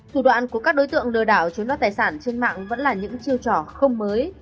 thủ đoạn của các đối tượng lừa đảo chiếm đoạt tài sản trên mạng vẫn là những chiêu trò không mới